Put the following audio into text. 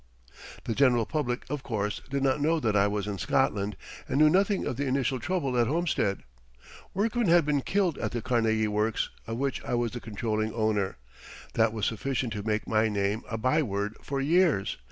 The general public, of course, did not know that I was in Scotland and knew nothing of the initial trouble at Homestead. Workmen had been killed at the Carnegie Works, of which I was the controlling owner. That was sufficient to make my name a by word for years.